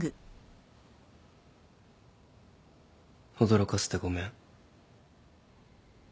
驚かせてごめん。